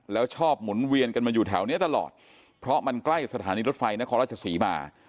แล้วชอบหมุนเวียนกันมาอยู่แถวนี้ตลอดเพราะมันใกล้สถานีรถไฟนครราชศรีมา